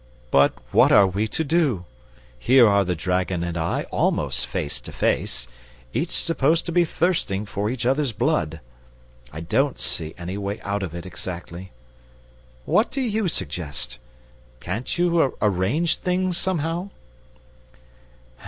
But what are we to do? Here are the dragon and I, almost face to face, each supposed to be thirsting for each other's blood. I don't see any way out of it, exactly. What do you suggest? Can't you arrange things, somehow?"